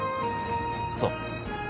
そう。